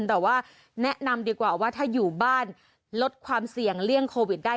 แต่ว่าแนะนำดีกว่าว่าถ้าอยู่บ้านลดความเสี่ยงเลี่ยงโควิดได้